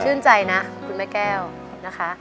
ใจนะคุณแม่แก้วนะคะ